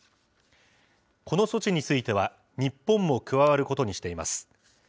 この措置については、日本も加わることにしています。